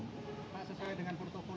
pak sesuai dengan protokolio bapak nggak pak